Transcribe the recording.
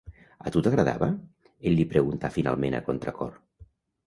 "A tu t'agradava?" ell li preguntà finalment a contracor.